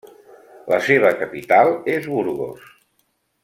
La seva capital és Burgos.